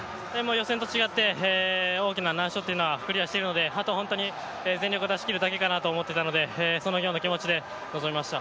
予選と違って、大きな難所はクリアしているので、あと本当に全力を出し切るだけかなと思っていたので、そのような気持ちで臨みました。